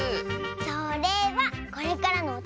それはこれからのおたのしみ！